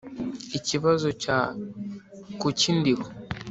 Ikibazo cya Kuki ndiho